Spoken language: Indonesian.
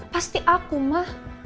pasti aku ma